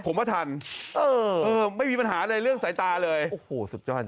ผมว่าทันเออเออไม่มีปัญหาอะไรเรื่องสายตาเลยโอ้โหสุดยอด